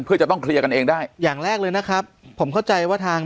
เพื่อจะต้องเคลียร์กันเองได้อย่างแรกเลยนะครับผมเข้าใจว่าทาง